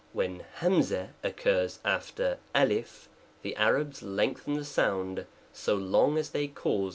When ' occurs after J , the Arabs lengthen the k sound so long as they cause.